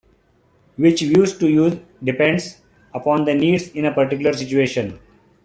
Which view to use depends upon the needs in a particular situation.